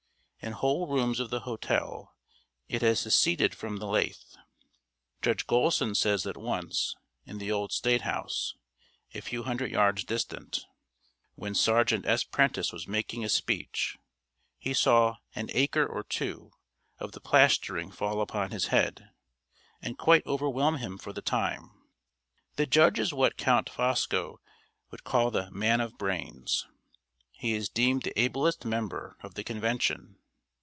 In whole rooms of the hotel it has seceded from the lath. Judge Gholson says that once, in the old State House, a few hundred yards distant, when Seargeant S. Prentiss was making a speech, he saw "an acre or two" of the plastering fall upon his head, and quite overwhelm him for the time. The Judge is what Count Fosco would call the Man of Brains; he is deemed the ablest member of the Convention.